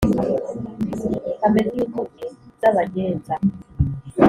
ameze nk’inkuge z’abagenza,